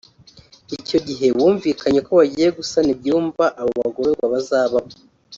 Icyo gihe bumvikanye ko bagiye gusana ibyumba abo bagororwa bazabamo